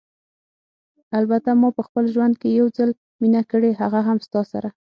البته ما په خپل ژوند کې یو ځل مینه کړې، هغه هم ستا سره.